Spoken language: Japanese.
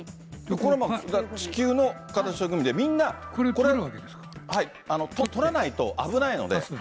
これ、地球の形してるんで、みんな、取らないと、危ないので。